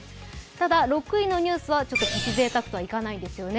ただ、６位のニュースはちょっとプチぜいたくとはいかないですよね。